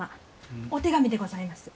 お手紙でございます。